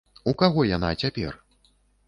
У каго яна цяпер?